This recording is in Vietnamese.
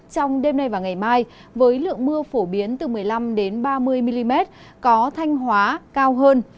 trong đêm nay và ngày mai với lượng mưa phổ biến từ một mươi năm ba mươi mm có thanh hóa cao hơn